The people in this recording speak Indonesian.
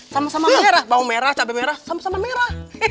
sama sama merah bawang merah cabai merah sama merah